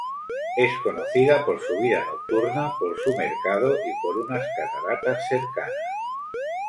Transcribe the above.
Es conocida por su vida nocturna, por su mercado y por unas cataratas cercanas.